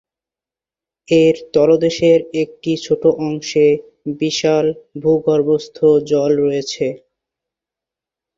এর তলদেশের একটি ছোট অংশে বিশাল ভূগর্ভস্থ জল রয়েছে।